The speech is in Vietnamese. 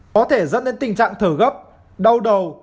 có thể dẫn đến tình trạng thở gấp đau đầu